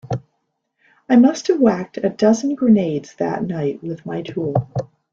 I must have whacked a dozen grenades that night with my tool.